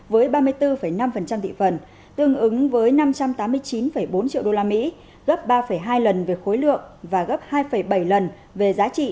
với ba mươi bốn năm thị phần tương ứng với năm trăm tám mươi chín bốn triệu usd gấp ba hai lần về khối lượng và gấp hai bảy lần về giá trị